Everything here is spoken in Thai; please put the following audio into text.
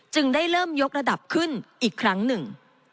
ได้เริ่มยกระดับขึ้นอีกครั้งหนึ่ง